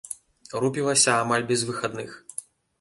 Рупілася амаль без выхадных.